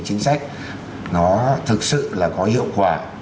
chính sách nó thực sự là có hiệu quả